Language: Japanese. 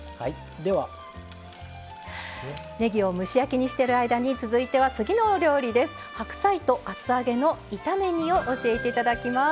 ねぎを蒸し焼きにしている間に続いては、次のお料理です。